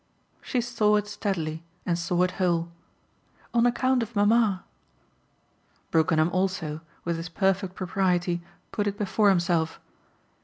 She saw it steadily and saw it whole. "On account of mamma." Brookenham also, with his perfect propriety, put it before himself.